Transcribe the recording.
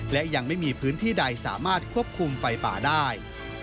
และยังไม่มีพื้นที่ใดสามารถควบคุมไฟป่าได้